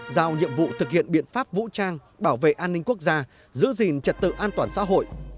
giao nhiệm vụ thực hiện biện pháp vũ trang bảo vệ an ninh quốc gia giữ gìn trật tự an toàn xã hội